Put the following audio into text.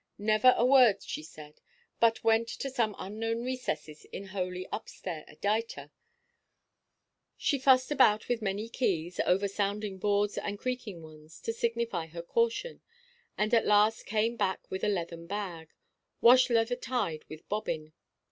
Never a word she said, but went to some unknown recesses in holy up–stair adyta: she fussed about with many keys, over sounding boards and creaking ones, to signify her caution; and at last came back with a leathern bag, wash–leather tied with bobbin.